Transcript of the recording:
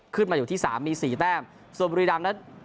ขึ้นมาอยู่ที่สามมีสี่แต้ม